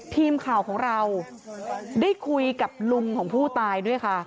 ทีมข่าวของเราได้คุยกับลุงของผู้ตายด้วยค่ะ